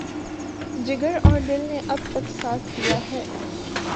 جگر اور دل نے اب تک ساتھ دیا ہے۔